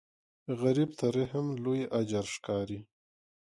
غریب ته رحم لوی اجر ښکاري